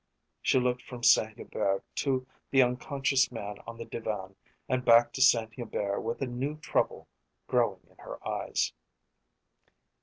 She looked from Saint Hubert to the unconscious man on the divan and back to Saint Hubert with a new trouble growing in her eyes.